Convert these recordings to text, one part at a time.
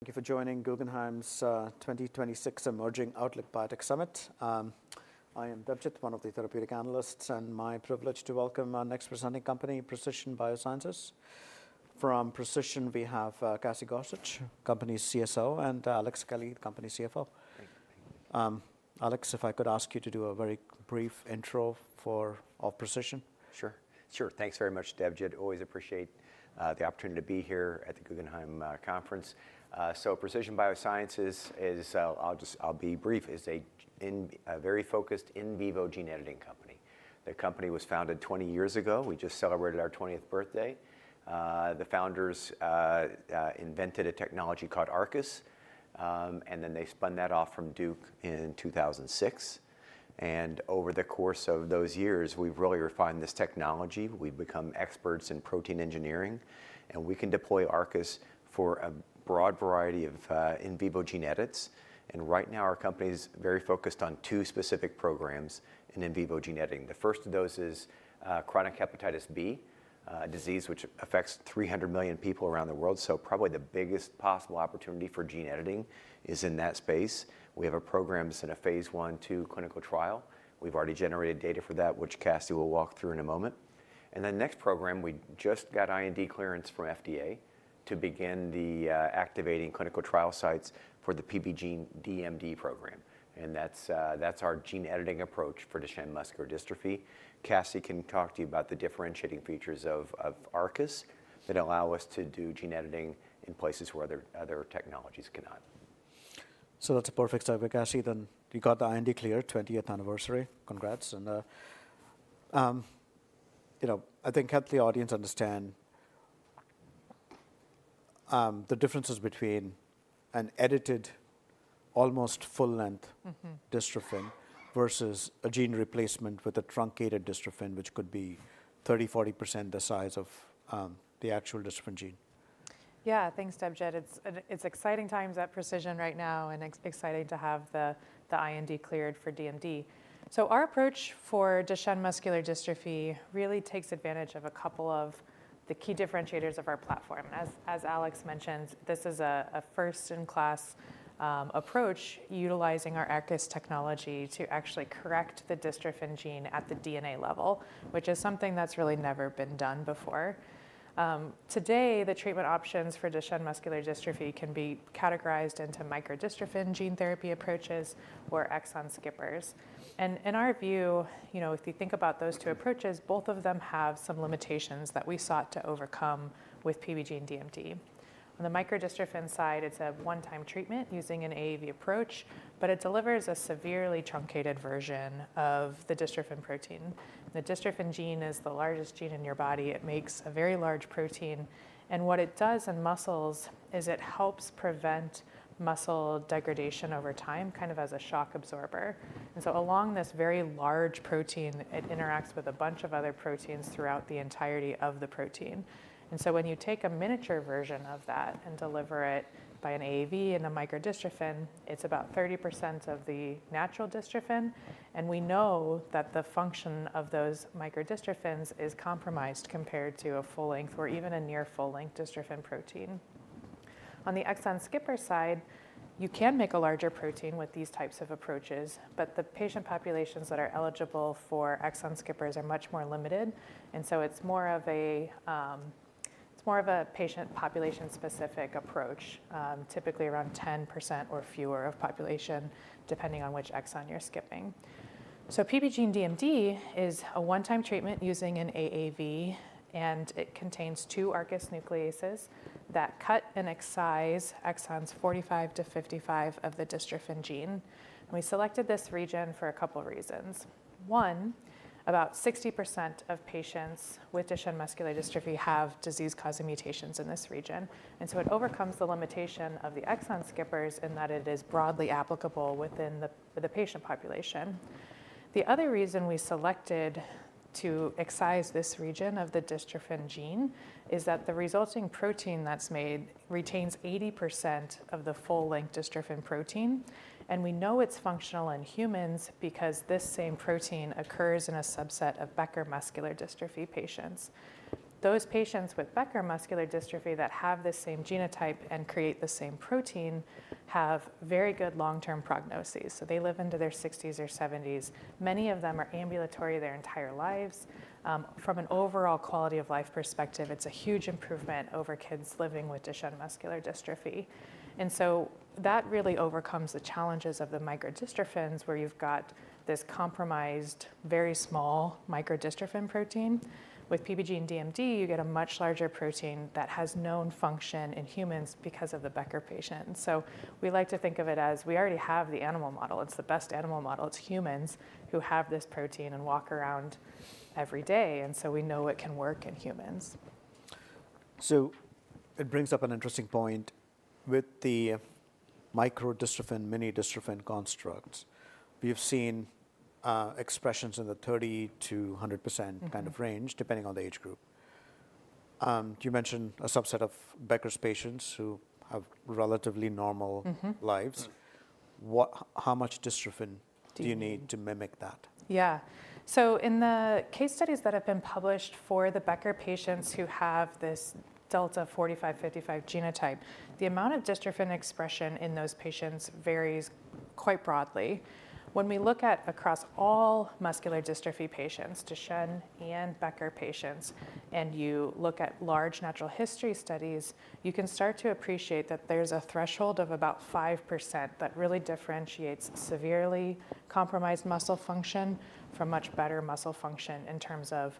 Thank you for joining Guggenheim's 2026 Emerging Outlook Biotech Summit. I am Debjit, one of the therapeutic analysts, and my privilege to welcome our next presenting company, Precision BioSciences. From Precision, we have Cassie Gorsuch, company's CSO, and Alex Kelly, company CFO. Thank you. Alex, if I could ask you to do a very brief intro for, of Precision? Sure. Sure. Thanks very much, Debjit. Always appreciate the opportunity to be here at the Guggenheim conference. So Precision BioSciences is. I'll just, I'll be brief, is a very focused in vivo gene editing company. The company was founded 20 years ago. We just celebrated our 20th birthday. The founders invented a technology called ARCUS, and then they spun that off from Duke in 2006, and over the course of those years, we've really refined this technology. We've become experts in protein engineering, and we can deploy ARCUS for a broad variety of in vivo gene edits, and right now, our company's very focused on two specific programs in vivo gene editing. The first of those is chronic hepatitis B, a disease which affects 300 million people around the world, so probably the biggest possible opportunity for gene editing is in that space. We have our programs in a phase I/II clinical trial. We've already generated data for that, which Cassie will walk through in a moment. And the next program, we just got IND clearance from FDA to begin the activating clinical trial sites for the PBGENE-DMD program, and that's our gene editing approach for Duchenne muscular dystrophy. Cassie can talk to you about the differentiating features of ARCUS that allow us to do gene editing in places where other technologies cannot. So that's a perfect start with Cassie, then. You got the IND clear, 20th anniversary. Congrats, and, you know, I think, help the audience understand, the differences between an edited, almost full-length- Mm-hmm... Dystrophin versus a gene replacement with a truncated Dystrophin, which could be 30%-40% the size of the actual Dystrophin gene. Yeah. Thanks, Debjit. It's exciting times at Precision right now, and exciting to have the IND cleared for DMD. So our approach for Duchenne muscular dystrophy really takes advantage of a couple of the key differentiators of our platform. As Alex mentioned, this is a first-in-class approach utilizing our ARCUS technology to actually correct the dystrophin gene at the DNA level, which is something that's really never been done before. Today, the treatment options for Duchenne muscular dystrophy can be categorized into micro dystrophin gene therapy approaches or exon skippers. And in our view, you know, if you think about those two approaches, both of them have some limitations that we sought to overcome with PBGENE-DMD. On the micro-dystrophin side, it's a one-time treatment using an AAV approach, but it delivers a severely truncated version of the dystrophin protein. The dystrophin gene is the largest gene in your body. It makes a very large protein, and what it does in muscles is it helps prevent muscle degradation over time, kind of as a shock absorber. And so along this very large protein, it interacts with a bunch of other proteins throughout the entirety of the protein. And so when you take a miniature version of that and deliver it by an AAV and a micro-dystrophin, it's about 30% of the natural dystrophin, and we know that the function of those micro-dystrophins is compromised compared to a full-length or even a near full-length dystrophin protein. On the exon skipper side, you can make a larger protein with these types of approaches, but the patient populations that are eligible for exon skippers are much more limited, and so it's more of a, it's more of a patient population-specific approach, typically around 10% or fewer of population, depending on which exon you're skipping. So PBGENE-DMD is a one-time treatment using an AAV, and it contains two ARCUS nucleases that cut and excise exons 45-55 of the dystrophin gene. And we selected this region for a couple of reasons. One, about 60% of patients with Duchenne muscular dystrophy have disease-causing mutations in this region, and so it overcomes the limitation of the exon skippers in that it is broadly applicable within the patient population. The other reason we selected to excise this region of the dystrophin gene is that the resulting protein that's made retains 80% of the full-length dystrophin protein, and we know it's functional in humans because this same protein occurs in a subset of Becker muscular dystrophy patients. Those patients with Becker muscular dystrophy that have the same genotype and create the same protein have very good long-term prognoses, so they live into their 60s or 70s. Many of them are ambulatory their entire lives. From an overall quality of life perspective, it's a huge improvement over kids living with Duchenne muscular dystrophy. And so that really overcomes the challenges of the micro-dystrophins, where you've got this compromised, very small micro-dystrophin protein. With PBGENE-DMD, you get a much larger protein that has known function in humans because of the Becker patient. We like to think of it as we already have the animal model. It's the best animal model. It's humans who have this protein and walk around every day, and so we know it can work in humans. So it brings up an interesting point with the micro-dystrophin, mini-dystrophin constructs. We've seen expressions in the 30%-100%- Mm-hmm... kind of range, depending on the age group. You mentioned a subset of Becker's patients who have relatively normal- Mm-hmm... lives.... What, how much Dystrophin do you need to mimic that? Yeah. So in the case studies that have been published for the Becker patients who have this delta 45-55 genotype, the amount of dystrophin expression in those patients varies quite broadly. When we look at across all muscular dystrophy patients, Duchenne and Becker patients, and you look at large natural history studies, you can start to appreciate that there's a threshold of about 5% that really differentiates severely compromised muscle function from much better muscle function in terms of,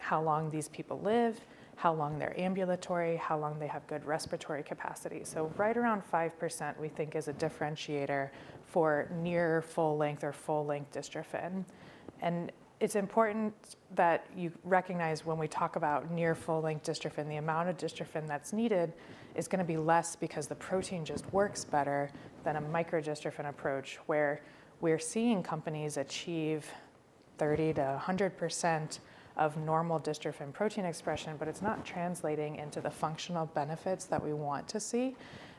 how long these people live, how long they're ambulatory, how long they have good respiratory capacity. So right around 5%, we think, is a differentiator for near full length or full length dystrophin. And it's important that you recognize when we talk about near full length dystrophin, the amount of dystrophin that's needed is gonna be less because the protein just works better than a micro-dystrophin approach, where we're seeing companies achieve 30%-100% of normal dystrophin protein expression, but it's not translating into the functional benefits that we want to see.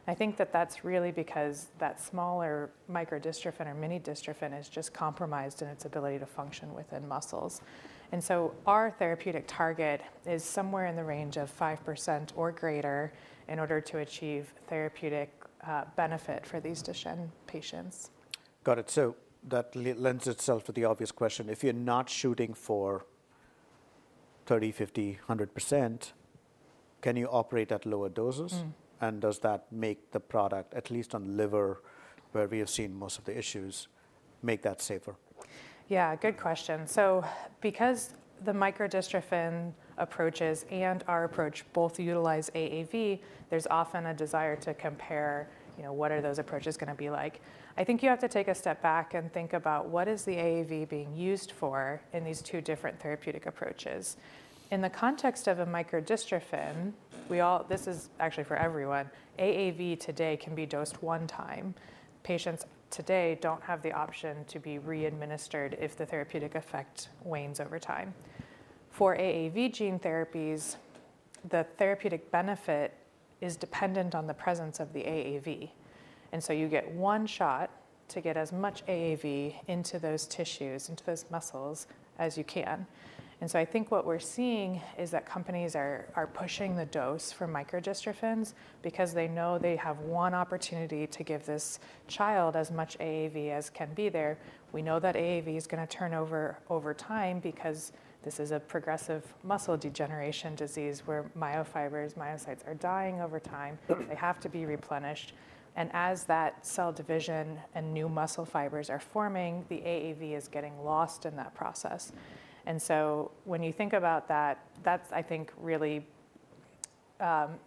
I think that that's really because that smaller micro-dystrophin or mini-dystrophin is just compromised in its ability to function within muscles. And so our therapeutic target is somewhere in the range of 5% or greater in order to achieve therapeutic benefit for these Duchenne patients. Got it. So that lends itself to the obvious question: if you're not shooting for 30%, 50%, 100%, can you operate at lower doses? Mm. Does that make the product, at least on liver, where we have seen most of the issues, make that safer? Yeah, good question. So because the micro-dystrophin approaches and our approach both utilize AAV, there's often a desire to compare, you know, what are those approaches gonna be like? I think you have to take a step back and think about what is the AAV being used for in these two different therapeutic approaches. In the context of a micro-dystrophin, this is actually for everyone, AAV today can be dosed one time. Patients today don't have the option to be re-administered if the therapeutic effect wanes over time. For AAV gene therapies, the therapeutic benefit is dependent on the presence of the AAV, and so you get one shot to get as much AAV into those tissues, into those muscles as you can. And so I think what we're seeing is that companies are pushing the dose for micro-dystrophins because they know they have one opportunity to give this child as much AAV as can be there. We know that AAV is gonna turn over time because this is a progressive muscle degeneration disease, where myofibers, myocytes are dying over time. They have to be replenished, and as that cell division and new muscle fibers are forming, the AAV is getting lost in that process. And so when you think about that, that's, I think, really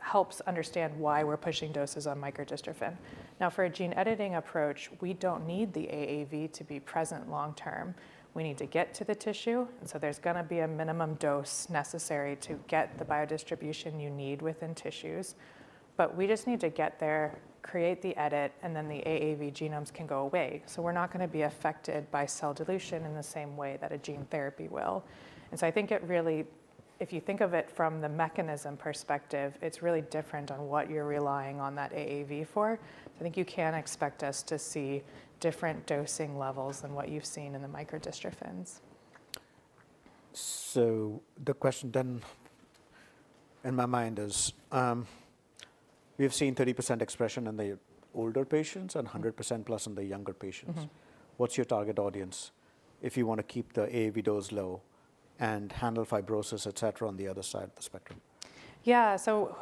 helps understand why we're pushing doses on micro-dystrophin. Now, for a gene editing approach, we don't need the AAV to be present long term. We need to get to the tissue, and so there's gonna be a minimum dose necessary to get the biodistribution you need within tissues. But we just need to get there, create the edit, and then the AAV genomes can go away. So we're not gonna be affected by cell dilution in the same way that a gene therapy will. And so I think it really, if you think of it from the mechanism perspective, it's really different on what you're relying on that AAV for. I think you can expect us to see different dosing levels than what you've seen in the micro-dystrophins. So the question then in my mind is, we have seen 30% expression in the older patients and 100% plus in the younger patients. Mm-hmm. What's your target audience if you want to keep the AAV dose low and handle fibrosis, et cetera, on the other side of the spectrum? Yeah. So,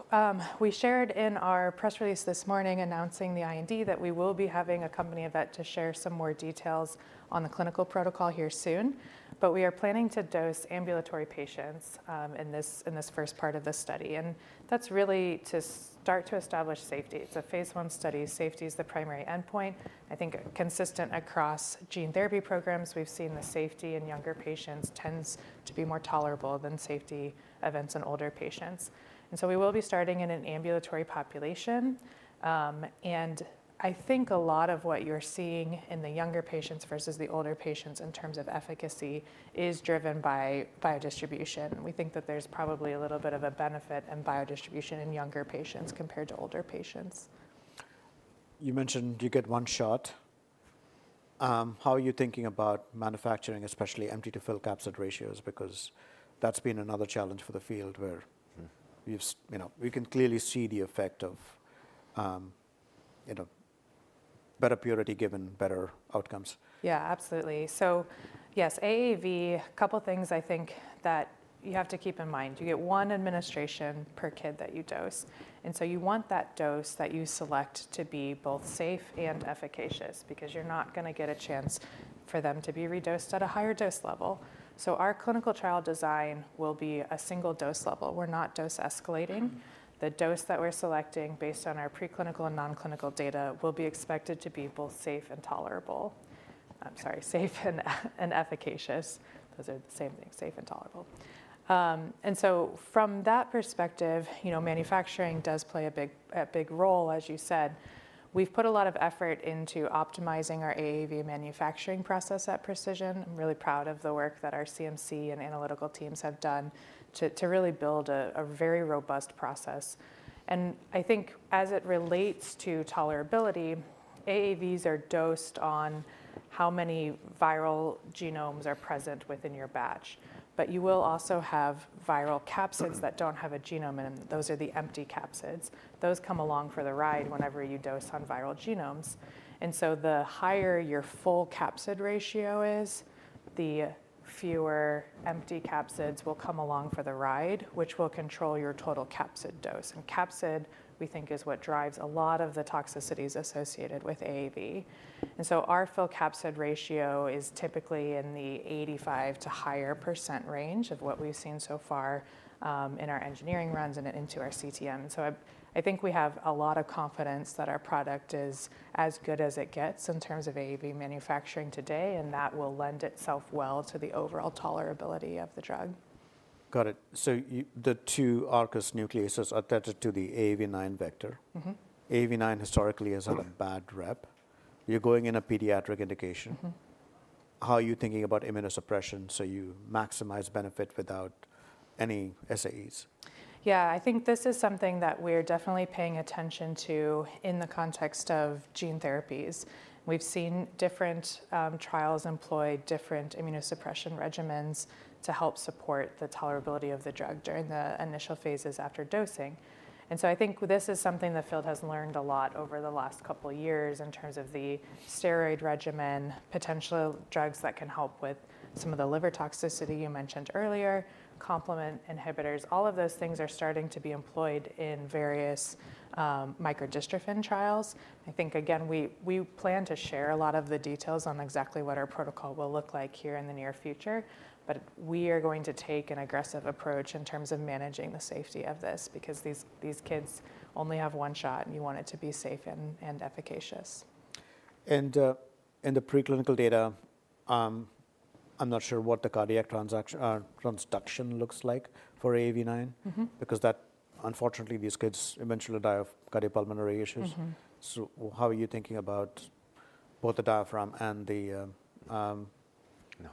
we shared in our press release this morning announcing the IND, that we will be having a company event to share some more details on the clinical protocol here soon, but we are planning to dose ambulatory patients in this first part of the study. And that's really to start to establish safety. It's a phase I study. Safety is the primary endpoint. I think consistent across gene therapy programs, we've seen the safety in younger patients tends to be more tolerable than safety events in older patients. And so we will be starting in an ambulatory population, and I think a lot of what you're seeing in the younger patients versus the older patients in terms of efficacy is driven by biodistribution. We think that there's probably a little bit of a benefit in biodistribution in younger patients compared to older patients. You mentioned you get one shot. How are you thinking about manufacturing, especially empty-to-full capsid ratios? Because that's been another challenge for the field where- Mm... you've, you know, we can clearly see the effect of, you know, better purity given better outcomes. Yeah, absolutely. So yes, AAV, a couple of things I think that you have to keep in mind. You get one administration per kid that you dose, and so you want that dose that you select to be both safe and efficacious because you're not gonna get a chance for them to be redosed at a higher dose level. So our clinical trial design will be a single dose level. We're not dose escalating. The dose that we're selecting based on our preclinical and non-clinical data will be expected to be both safe and tolerable.... I'm sorry, safe and, and efficacious. Those are the same thing, safe and tolerable. And so from that perspective, you know, manufacturing does play a big, a big role, as you said. We've put a lot of effort into optimizing our AAV manufacturing process at Precision. I'm really proud of the work that our CMC and analytical teams have done to really build a very robust process. I think as it relates to tolerability, AAVs are dosed on how many viral genomes are present within your batch, but you will also have viral capsids that don't have a genome in them. Those are the empty capsids. Those come along for the ride whenever you dose on viral genomes, and so the higher your full capsid ratio is, the fewer empty capsids will come along for the ride, which will control your total capsid dose. And capsid, we think, is what drives a lot of the toxicities associated with AAV. And so our full capsid ratio is typically in the 85 to higher % range of what we've seen so far, in our engineering runs and into our CTM. I think we have a lot of confidence that our product is as good as it gets in terms of AAV manufacturing today, and that will lend itself well to the overall tolerability of the drug. Got it. So the two ARCUS nucleases are attached to the AAV9 vector. Mm-hmm. AAV9 historically has had a bad rep. Mm-hmm. You're going in a pediatric indication. Mm-hmm. How are you thinking about immunosuppression, so you maximize benefit without any SAEs? Yeah, I think this is something that we're definitely paying attention to in the context of gene therapies. We've seen different trials employ different immunosuppression regimens to help support the tolerability of the drug during the initial phases after dosing, and so I think this is something the field has learned a lot over the last couple of years in terms of the steroid regimen, potential drugs that can help with some of the liver toxicity you mentioned earlier, complement inhibitors. All of those things are starting to be employed in various micro-dystrophin trials. I think, again, we plan to share a lot of the details on exactly what our protocol will look like here in the near future, but we are going to take an aggressive approach in terms of managing the safety of this, because these kids only have one shot, and you want it to be safe and efficacious. In the preclinical data, I'm not sure what the cardiac transduction looks like for AAV9... Mm-hmm. because that, unfortunately, these kids eventually die of cardiopulmonary issues. Mm-hmm. So how are you thinking about both the diaphragm and the, you know,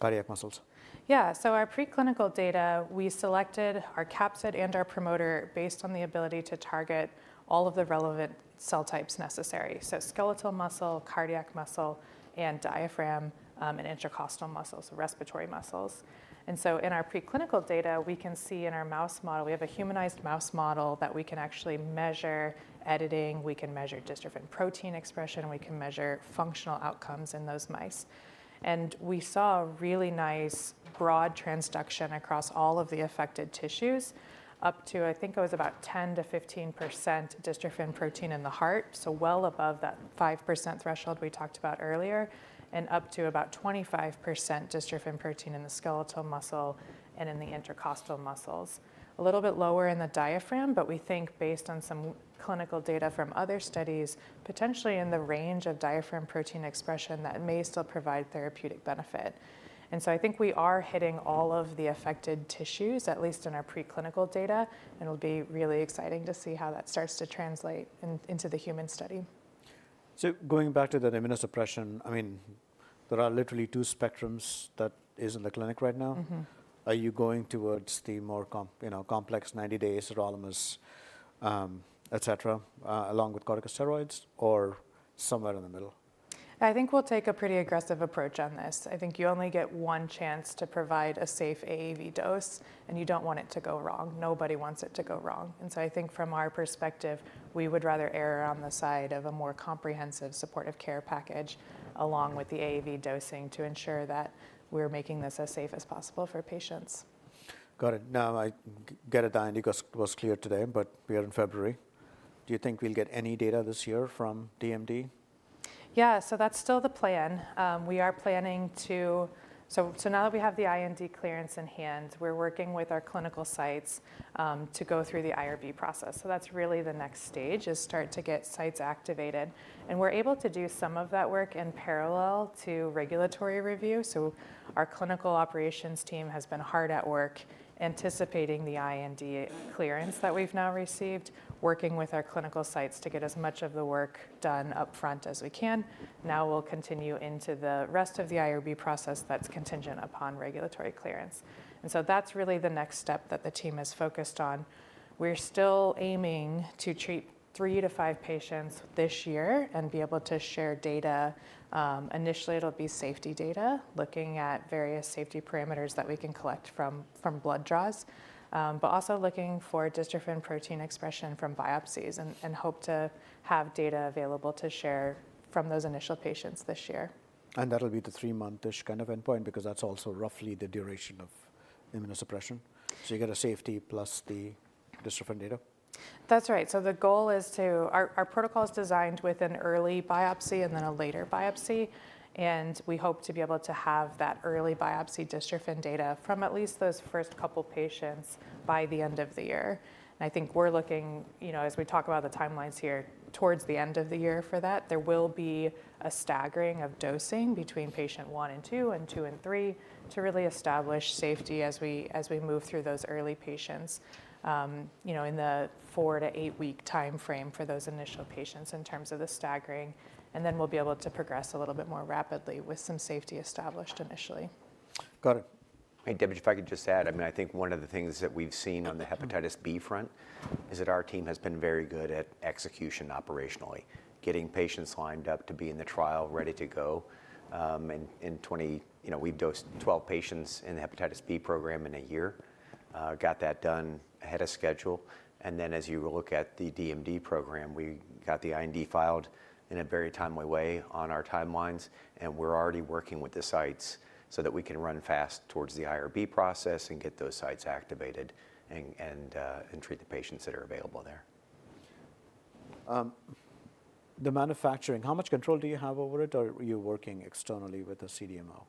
cardiac muscles? Yeah. So our preclinical data, we selected our capsid and our promoter based on the ability to target all of the relevant cell types necessary, so skeletal muscle, cardiac muscle, and diaphragm, and intercostal muscles, respiratory muscles. And so in our preclinical data, we can see in our mouse model, we have a humanized mouse model that we can actually measure editing, we can measure dystrophin protein expression, and we can measure functional outcomes in those mice. And we saw a really nice broad transduction across all of the affected tissues, up to, I think it was about 10%-15% dystrophin protein in the heart, so well above that 5% threshold we talked about earlier, and up to about 25% dystrophin protein in the skeletal muscle and in the intercostal muscles. A little bit lower in the diaphragm, but we think based on some clinical data from other studies, potentially in the range of diaphragm protein expression, that may still provide therapeutic benefit. And so I think we are hitting all of the affected tissues, at least in our preclinical data, and it'll be really exciting to see how that starts to translate into the human study. Going back to the immunosuppression, I mean, there are literally two spectrums that is in the clinic right now. Mm-hmm. Are you going towards the more complex 90-day sirolimus, you know, et cetera, along with corticosteroids or somewhere in the middle? I think we'll take a pretty aggressive approach on this. I think you only get one chance to provide a safe AAV dose, and you don't want it to go wrong. Nobody wants it to go wrong. And so I think from our perspective, we would rather err on the side of a more comprehensive supportive care package along with the AAV dosing to ensure that we're making this as safe as possible for patients. Got it. Now, I get it, the IND was cleared today, but we are in February. Do you think we'll get any data this year from DMD? Yeah, so that's still the plan. We are planning to... So now that we have the IND clearance in hand, we're working with our clinical sites to go through the IRB process. So that's really the next stage, is start to get sites activated. And we're able to do some of that work in parallel to regulatory review. So our clinical operations team has been hard at work anticipating the IND clearance that we've now received, working with our clinical sites to get as much of the work done up front as we can. Now we'll continue into the rest of the IRB process that's contingent upon regulatory clearance. And so that's really the next step that the team is focused on. We're still aiming to treat three to five patients this year and be able to share data. Initially, it'll be safety data, looking at various safety parameters that we can collect from blood draws, but also looking for Dystrophin protein expression from biopsies, and hope to have data available to share from those initial patients this year. That'll be the three-month-ish kind of endpoint, because that's also roughly the duration of immunosuppression. You get a safety plus the Dystrophin data? ... That's right. So the goal is to. Our protocol is designed with an early biopsy and then a later biopsy, and we hope to be able to have that early biopsy dystrophin data from at least those first couple patients by the end of the year. And I think we're looking, you know, as we talk about the timelines here, towards the end of the year for that. There will be a staggering of dosing between patient one and two, and two and three, to really establish safety as we move through those early patients, you know, in the four to eight week time frame for those initial patients in terms of the staggering, and then we'll be able to progress a little bit more rapidly with some safety established initially. Got it. Hey, Debjit, if I could just add, I mean, I think one of the things that we've seen on the hepatitis B front is that our team has been very good at execution operationally, getting patients lined up to be in the trial, ready to go. And in 20-- you know, we've dosed 12 patients in the hepatitis B program in a year, got that done ahead of schedule, and then as you look at the DMD program, we got the IND filed in a very timely way on our timelines, and we're already working with the sites so that we can run fast towards the IRB process and get those sites activated and treat the patients that are available there. The manufacturing, how much control do you have over it, or are you working externally with a CDMO?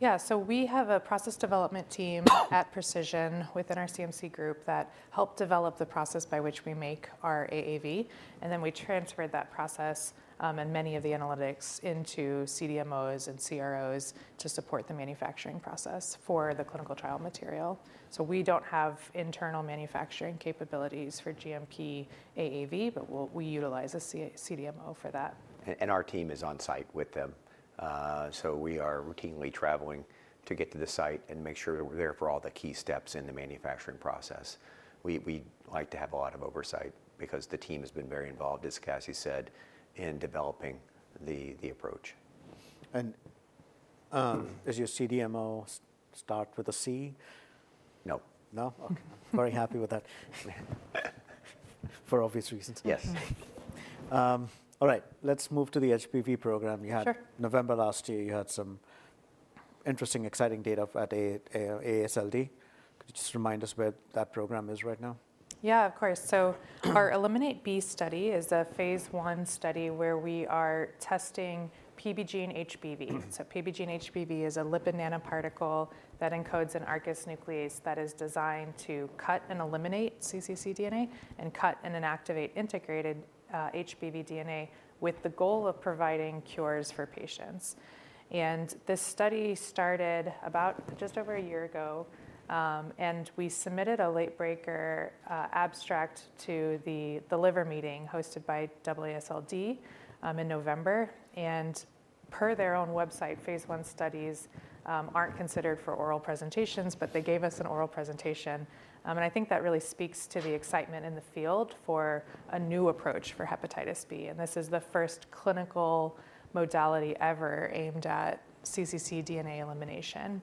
Yeah. So we have a process development team at Precision within our CMC group that helped develop the process by which we make our AAV, and then we transferred that process, and many of the analytics into CDMOs and CROs to support the manufacturing process for the clinical trial material. So we don't have internal manufacturing capabilities for GMP AAV, but we utilize a CDMO for that. Our team is on site with them. So we are routinely traveling to get to the site and make sure we're there for all the key steps in the manufacturing process. We like to have a lot of oversight because the team has been very involved, as Cassie said, in developing the approach. Does your CDMO start with a C? No. No? Okay. Very happy with that. For obvious reasons. Yes. All right. Let's move to the HBV program you had. Sure. November last year, you had some interesting exciting data at AASLD. Could you just remind us where that program is right now? Yeah, of course. Our ELIMINATE-B study is a phase I study where we are testing PBGENE-HBV. Mm. So PBGENE-HBV is a lipid nanoparticle that encodes an ARCUS nuclease that is designed to cut and eliminate cccDNA, and cut and inactivate integrated HBV DNA with the goal of providing cures for patients. This study started about just over a year ago, and we submitted a late-breaker abstract to the liver meeting hosted by AASLD in November. Per their own website, phase I studies aren't considered for oral presentations, but they gave us an oral presentation. I think that really speaks to the excitement in the field for a new approach for hepatitis B, and this is the first clinical modality ever aimed at cccDNA elimination.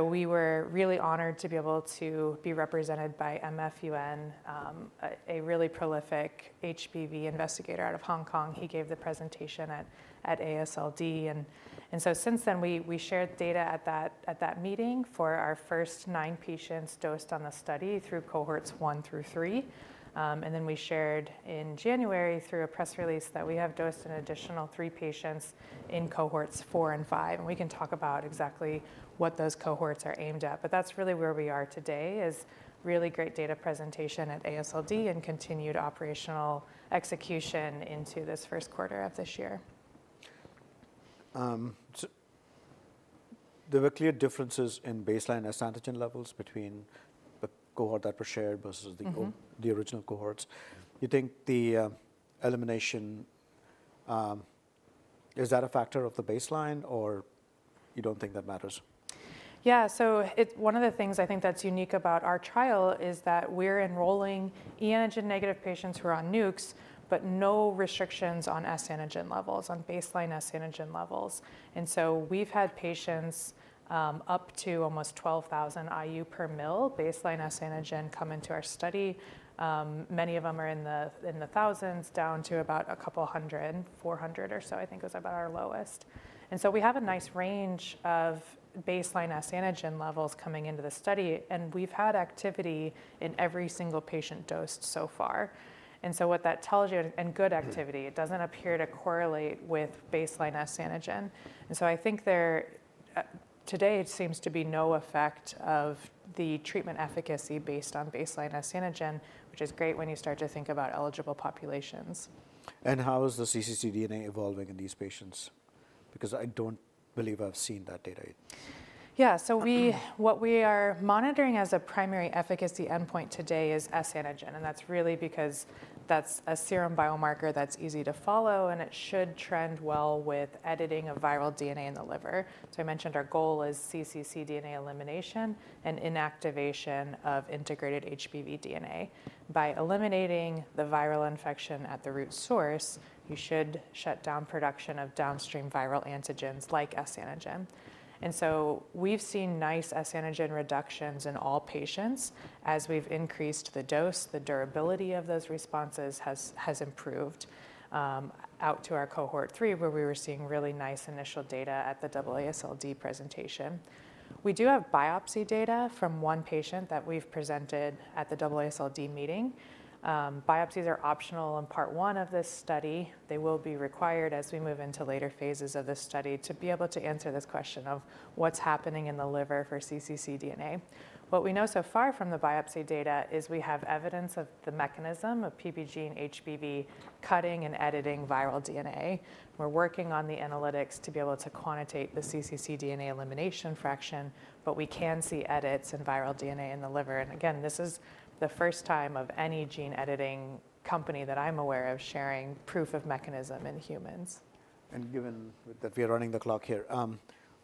We were really honored to be able to be represented by Man-Fung Yuen, a really prolific HBV investigator out of Hong Kong. He gave the presentation at AASLD. And so since then, we shared data at that meeting for our first nine patients dosed on the study through cohorts one through three. And then we shared in January, through a press release, that we have dosed an additional three patients in cohorts four and five, and we can talk about exactly what those cohorts are aimed at. But that's really where we are today, is really great data presentation at AASLD and continued operational execution into this first quarter of this year. So, there were clear differences in baseline S antigen levels between the cohort that were shared versus the- Mm-hmm... the original cohorts. You think the elimination is that a factor of the baseline, or you don't think that matters? Yeah. So one of the things I think that's unique about our trial is that we're enrolling e antigen-negative patients who are on NUCs, but no restrictions on S antigen levels, on baseline S antigen levels. And so we've had patients up to almost 12,000 IU per ml baseline S antigen come into our study. Many of them are in the thousands, down to about a couple of hundred, 400 or so, I think, was about our lowest. And so we have a nice range of baseline S antigen levels coming into the study, and we've had activity in every single patient dosed so far. And so what that tells you... And good activity. Mm. It doesn't appear to correlate with baseline S antigen, and so I think there, today there seems to be no effect of the treatment efficacy based on baseline S antigen, which is great when you start to think about eligible populations. How is the cccDNA evolving in these patients? Because I don't believe I've seen that data. Yeah. So what we are monitoring as a primary efficacy endpoint today is S antigen, and that's really because that's a serum biomarker that's easy to follow, and it should trend well with editing of viral DNA in the liver. So I mentioned our goal is cccDNA elimination and inactivation of integrated HBV DNA. By eliminating the viral infection at the root source, you should shut down production of downstream viral antigens like S antigen. And so we've seen nice S antigen reductions in all patients. As we've increased the dose, the durability of those responses has, has improved, out to our cohort three, where we were seeing really nice initial data at the AASLD presentation. We do have biopsy data from one patient that we've presented at the AASLD meeting. Biopsies are optional in part one of this study. They will be required as we move into later phases of this study to be able to answer this question of what's happening in the liver for cccDNA. What we know so far from the biopsy data is we have evidence of the mechanism of PBGENE-HBV cutting and editing viral DNA. We're working on the analytics to be able to quantitate the cccDNA elimination fraction, but we can see edits in viral DNA in the liver. And again, this is the first time of any gene-editing company that I'm aware of sharing proof of mechanism in humans. Given that we are running the clock here,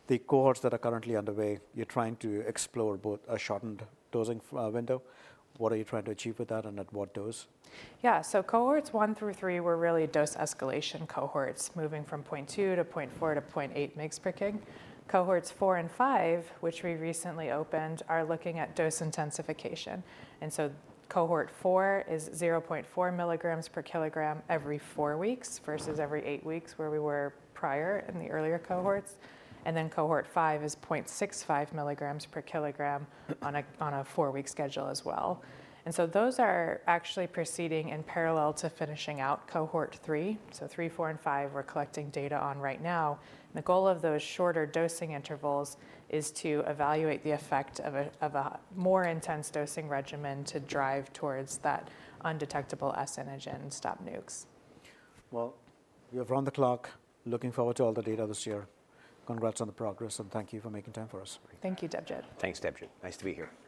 the cohorts that are currently underway, you're trying to explore both a shortened dosing window. What are you trying to achieve with that, and at what dose? Yeah. So cohorts one through three were really dose escalation cohorts, moving from 0.2 to 0.4 to 0.8 mg/kg. Cohorts four and five, which we recently opened, are looking at dose intensification, and so cohort four is 0.4 mg/kg every four weeks, versus every eight weeks, where we were prior in the earlier cohorts. And then cohort five is 0.65 mg/kg- Mm... on a four-week schedule as well. And so those are actually proceeding in parallel to finishing out cohort three. So three, four, and five, we're collecting data on right now. The goal of those shorter dosing intervals is to evaluate the effect of a more intense dosing regimen to drive towards that undetectable S antigen and stop nukes. Well, we have run the clock. Looking forward to all the data this year. Congrats on the progress, and thank you for making time for us. Thank you, Debjit. Thanks, Debjit. Nice to be here.